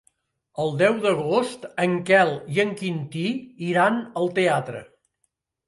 El deu d'agost en Quel i en Quintí iran al teatre.